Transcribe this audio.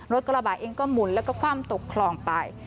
รถกระบะเองก็หมุนแล้วก็คว่ำตกคลองไป